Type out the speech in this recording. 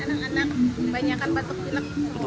anak anak banyakkan batuk bilik